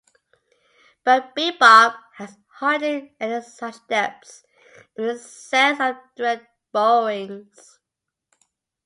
But bebop has hardly any such debts in the sense of direct borrowings.